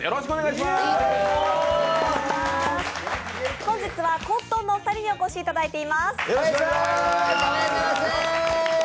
本日はコットンのお二人にお越しいただいています。